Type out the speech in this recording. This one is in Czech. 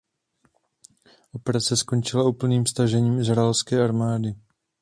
Operace skončila úplným stažením izraelské armády.